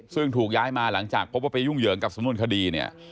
ซึ่งถูกย้ายมาหลังจากพบว่าไปยุ่งเหยิงกับสำนวนคดีเนี่ย